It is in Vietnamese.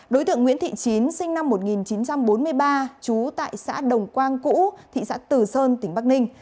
đối tượng nguyễn thị chín sinh năm một nghìn chín trăm bốn mươi ba trú tại xã đồng quang cũ thị xã tử sơn tỉnh bắc ninh